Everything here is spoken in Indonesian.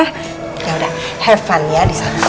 ya udah have fun ya disana